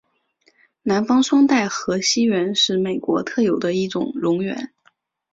南方双带河溪螈是美国特有的一种蝾螈。